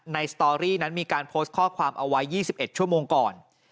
สตอรี่นั้นมีการโพสต์ข้อความเอาไว้๒๑ชั่วโมงก่อน